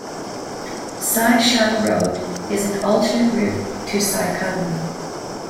Sai Sha Road is an alternative route to Sai Kung.